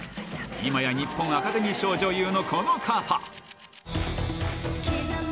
今や日本アカデミー賞女優のこの方。